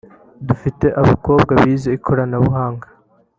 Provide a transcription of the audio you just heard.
Dufite abakobwa bize ikoranabuhanga